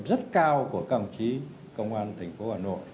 rất cao của công an thành phố hà nội